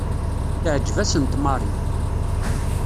Teɛjeb-asent Mary.